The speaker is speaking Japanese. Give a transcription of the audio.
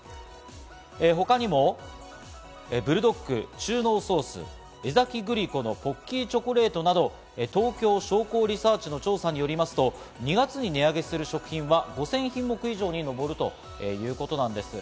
他にもブルドック中濃ソース、江崎グリコのポッキーチョコレートなど、東京商工リサーチの調査によりますと、２月に値上げする食品は５０００品目以上に上るということです。